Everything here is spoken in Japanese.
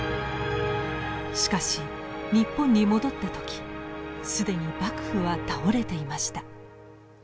しかし日本に戻った時既に幕府は倒れていました。